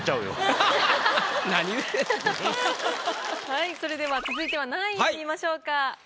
はいそれでは続いては何位を見ましょうか？